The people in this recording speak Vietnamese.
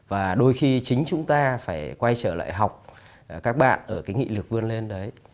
và đôi khi chính chúng ta phải quay trở lại học các bạn ở cái nghị lực vươn lên đấy